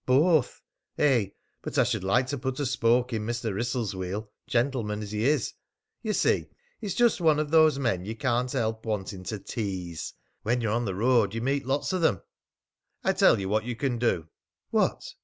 "Both! Eh, but I should like to put a spoke in Mr. Wrissell's wheel, gentleman as he is. You see, he's just one of those men you can't help wanting to tease. When you're on the road you meet lots of 'em." "I tell you what you can do!" "What?"